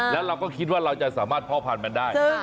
แล้วเราก็คิดว่าเราจะสามารถพ่อพันธุ์มันได้